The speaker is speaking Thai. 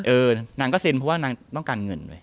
นางก็เซ็นเพราะว่านางต้องการเงินไว้